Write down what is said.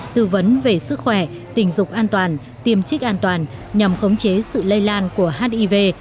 tư vấn về sức khỏe tình dục an toàn tiêm trích an toàn nhằm khống chế sự lây lan của hiv